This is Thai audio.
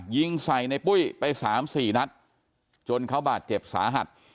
ยิงใส่ในปุ้ยไปสามสี่นัดจนเขาบาดเจ็บสาหัส